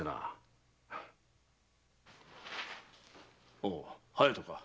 おお隼人か。